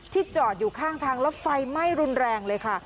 จอดอยู่ข้างทางแล้วไฟไหม้รุนแรงเลยค่ะ